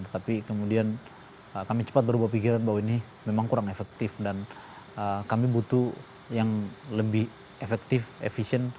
tapi kemudian kami cepat berubah pikiran bahwa ini memang kurang efektif dan kami butuh yang lebih efektif efisien